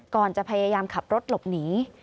ก่อนจะพยายามขับรถหลบหนี